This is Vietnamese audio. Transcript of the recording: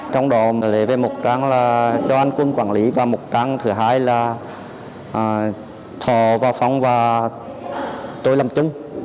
trong đó lấy về một trang là cho anh quân quản lý và một trang thứ hai là thọ và phong và tôi làm từng